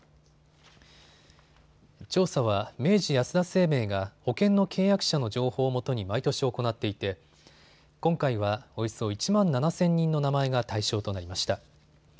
調査は明治安田生命が保険の契約者の情報をもとに毎年行っていて今回はおよそ１万７０００人の名前が対象となりました。